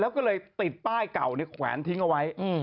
แล้วก็เลยติดป้ายเก่าแขวนทิ้งเอาไว้